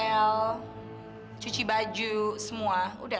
ayo cuci baju semua udah